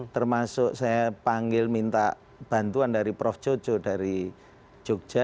termasuk saya panggil minta bantuan dari prof coco dari jogja